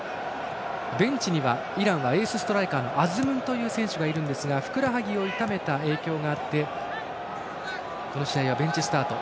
ベンチにはイランはエースストライカーアズムンという選手がいますがふくらはぎを痛めた影響があってこの試合はベンチスタート。